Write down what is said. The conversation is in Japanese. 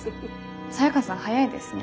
サヤカさん早いですね。